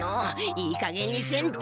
いいかげんにせんと。